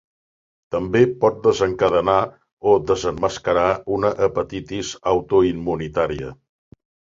També pot desencadenar o desemmascarar una hepatitis autoimmunitària.